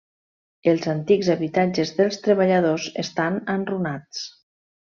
Els antics habitatges dels treballadors estan enrunats.